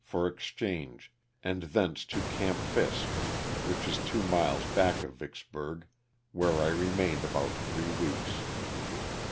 for exchange, and thence to '^Oamp Fiske," which is two miles back of Vicksburg, where I remained about three weeks.